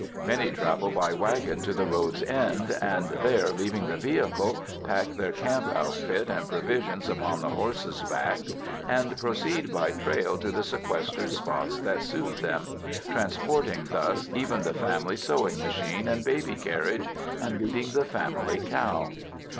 Many travel by wagon to the road's end, and there leaving the vehicle, pack their camp outfit and provisions upon the horses' backs and proceed by trail to the sequestered spots that suit them, transporting thus even the family sewing machine and baby carriage, and leading the family cow.